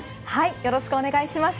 よろしくお願いします。